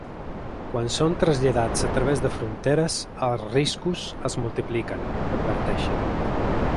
“Quan són traslladats a través de fronteres, els riscos es multipliquen”, adverteixen.